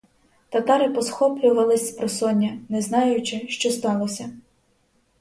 Татари посхоплювались спросоння, не знаючи, що сталося.